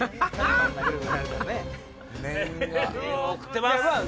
念を送ってます。